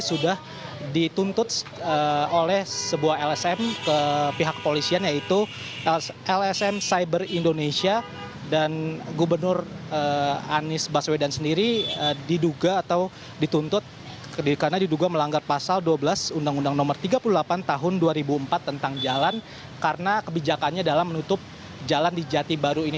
sudah dituntut oleh sebuah lsm ke pihak polisian yaitu lsm cyber indonesia dan gubernur anies baswedan sendiri diduga atau dituntut karena diduga melanggar pasal dua belas undang undang no tiga puluh delapan tahun dua ribu empat tentang jalan karena kebijakannya dalam menutup jalan di jati baru ini